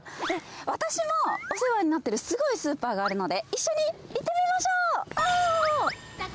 私もお世話になってるすごいスーパーがあるので、一緒に行ってみましょう。